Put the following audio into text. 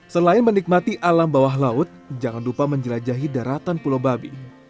selain menikmati alam bawah laut jangan lupa menjelajahi daratan pulau babi